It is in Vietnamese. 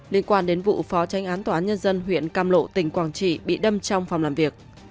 liên quan đến vụ phó tranh án tòa án nhân dân huyện cam lộ tỉnh quảng trị bị đâm trong phòng làm việc